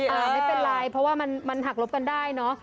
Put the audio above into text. ไม่เป็นไรเพราะว่ามันหักลบกันได้เนอะ